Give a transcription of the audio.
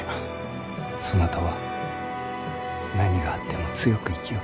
そなたは何があっても強く生きよ。